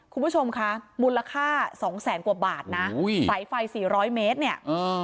คุณผู้ชมคะมูลค่าสองแสนกว่าบาทนะอุ้ยสายไฟสี่ร้อยเมตรเนี่ยอ่า